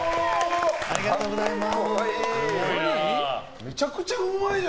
ありがとうございます。